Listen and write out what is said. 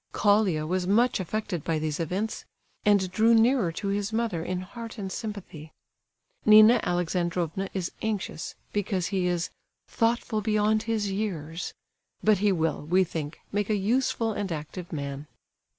Colia was much affected by these events, and drew nearer to his mother in heart and sympathy. Nina Alexandrovna is anxious, because he is "thoughtful beyond his years," but he will, we think, make a useful and active man.